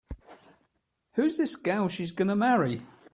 Who's this gal she's gonna marry?